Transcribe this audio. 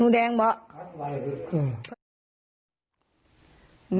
นู้แดงบ้าง